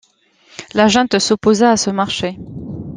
La junte s'opposa à ce marché.